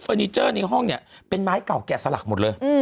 นิเจอร์ในห้องเนี่ยเป็นไม้เก่าแกะสลักหมดเลย